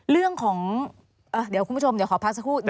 เรื่องของเดี๋ยวคุณผู้ชมขอพักสักพูด